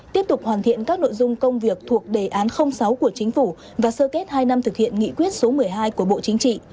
tiếp tục hoàn thiện các nội dung công việc thuộc đề án sáu của chính phủ và sơ kết hai năm thực hiện nghị quyết số một mươi hai của bộ chính trị